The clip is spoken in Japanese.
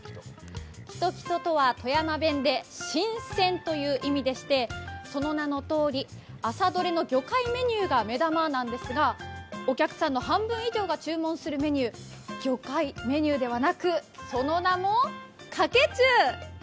きときととは、富山弁で新鮮という意味でしてその名の通り、朝どれの魚介メニューが目玉なんですがお客さんの半分以上が注文するメニュー、魚介メニューではなくその名も、かけ中。